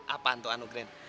apaan tuh anugren